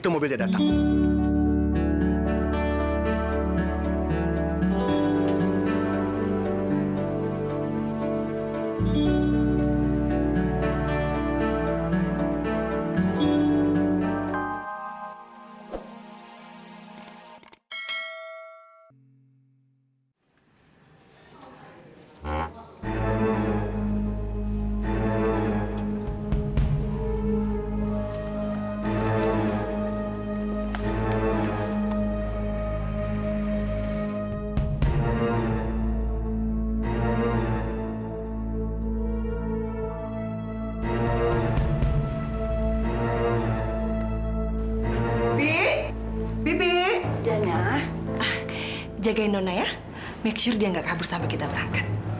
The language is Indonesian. make sure dia gak kabur sampai kita berangkat